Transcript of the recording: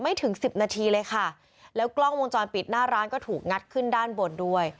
ถึงสิบนาทีเลยค่ะแล้วกล้องวงจรปิดหน้าร้านก็ถูกงัดขึ้นด้านบนด้วย